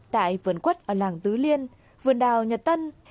tại vườn quất ở làng tứ liên vườn đào nhật tân